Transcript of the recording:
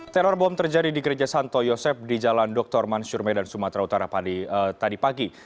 teror bom terjadi di gereja santo yosep di jalan dr mansur medan sumatera utara tadi pagi